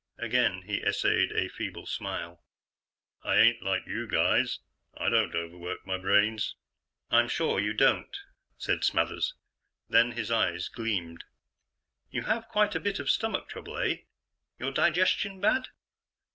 Again he essayed a feeble smile. "I ain't like you guys, I don't overwork my brains." "I'm sure you don't," said Smathers. Then his eyes gleamed. "You have quite a bit of stomach trouble, eh? Your digestion bad?"